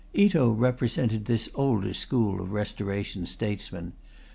Ito represented this older school of Restoration statesmen.